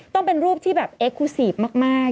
ต้องเป็นรูปที่แบบแยกกล้ามมาก